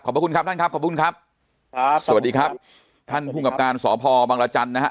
ขอบคุณครับท่านครับขอบคุณครับครับสวัสดีครับท่านภูมิกับการสพบังรจันทร์นะฮะ